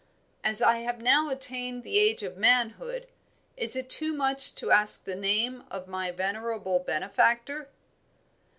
As I have now attained the age of manhood, is it too much to ask the name of my venerable benefactor?'"